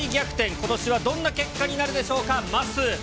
ことしはどんな結果になるでしょうか、まっすー。